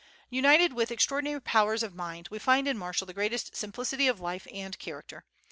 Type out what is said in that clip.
United with extraordinary powers of mind, we find in Marshall the greatest simplicity of life and character.